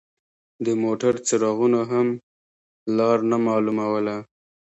د موټر څراغونو هم لار نه مالوموله.